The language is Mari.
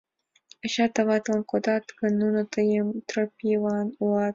Ачат-аватлан кодат гын, нуно тыйым Тропийлан пуат.